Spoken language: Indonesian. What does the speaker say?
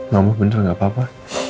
mama bener gak apa apa